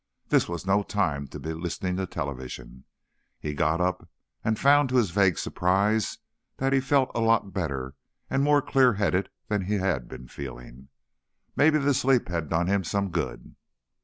This was no time to be listening to television. He got up and found, to his vague surprise, that he felt a lot better and more clear headed than he'd been feeling. Maybe the sleep had done him some good.